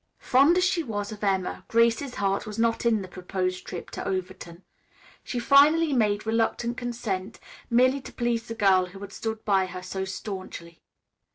Fond as she was of Emma, Grace's heart was not in the proposed trip to Overton. She finally made reluctant consent, merely to please the girl who had stood by her so staunchly.